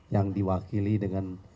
yang diwakili dengan